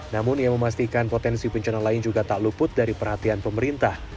namun ia memastikan potensi bencana lain juga tak luput dari perhatian pemerintah